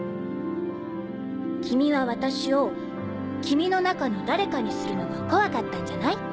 君は私を君の中の誰かにするのが怖かったんじゃない？